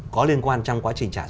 có liên quan trong quá trình trả